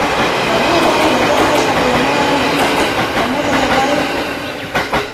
manttuwi otu ariiye apha ashapweya mwaani, mwamuuzaya vai?